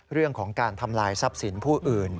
เรื่องของการทำลายทรัพย์สินผู้อื่น